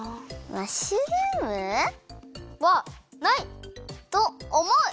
マッシュルーム？はない！とおもう！